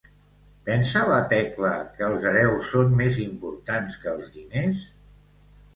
Pensa la Tecla que els hereus són més importants que els diners?